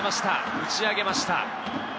打ち上げました。